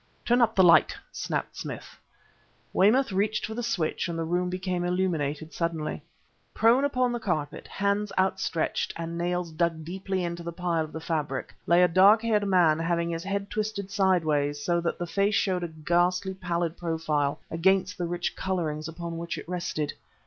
"Turn up the light!" snapped Smith. Weymouth reached for the switch, and the room became illuminated suddenly. Prone upon the carpet, hands outstretched and nails dug deeply into the pile of the fabric, lay a dark haired man having his head twisted sideways so that the face showed a ghastly pallid profile against the rich colorings upon which it rested.